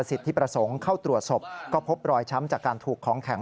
สิทธิประสงค์เข้าตรวจศพก็พบรอยช้ำจากการถูกของแข็ง